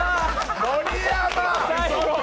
盛山！